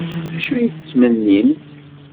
D acu ay tettmennimt?